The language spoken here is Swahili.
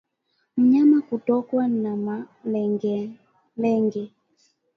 Mnyama kutokwa na malengelenge